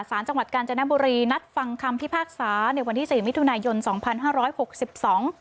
สารจังหวัดกาญจนบุรีนัดฟังคำพิพากษาในวันที่สี่มิถุนายนสองพันห้าร้อยหกสิบสอง